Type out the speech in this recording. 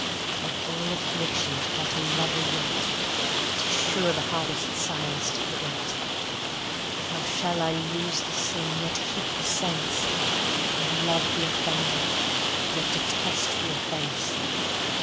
Of all affliction taught a lover yet, 'Tis sure the hardest science to forget! 190 How shall I lose the sin, yet keep the sense, And love the offender, yet detest the offence?